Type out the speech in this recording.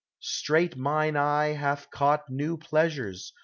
Straight mine eye hath caught new pleasures.